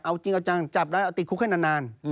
เอาจริงเอาจังจับแล้วเอาติดคุกให้นาน